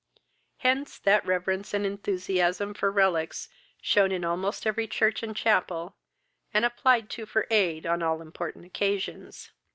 Hence that reverence and enthusiasm for relics shewn in almost every church and chapel, and applied to for aid on all important occasions.